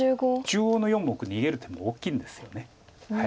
中央の４目逃げる手も大きいんですよね。